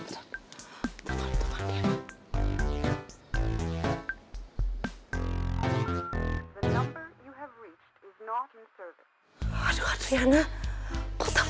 sambung komt hour